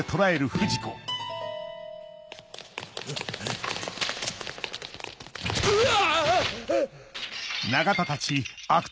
うわ！